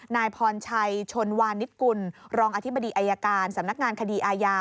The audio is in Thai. นายพรชัยชนวานิสกุลรองอธิบดีอายการสำนักงานคดีอาญา